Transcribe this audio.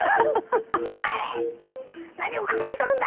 お前何を考えとるんだ！